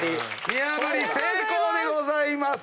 見破り成功でございます。